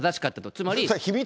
つまり。